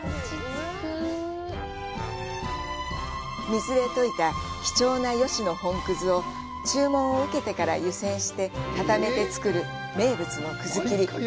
水で溶いた貴重な吉野本葛を、注文を受けてから湯せんして固めて作る名物の葛きり。